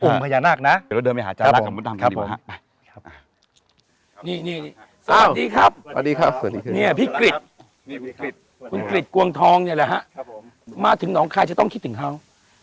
คุณกริจกวงทองนี่แหละฮะมาถึงน้องใครจะต้องคิดถึงเขา